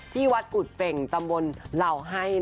ที่วัดกุฎเป่งตำบลเหล่าให้